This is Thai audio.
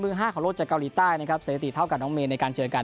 ห้าของโลกจากเกาหลีใต้นะครับสถิติเท่ากับน้องเมย์ในการเจอกัน